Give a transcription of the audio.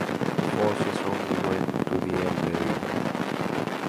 Forces only went to the Elbe river.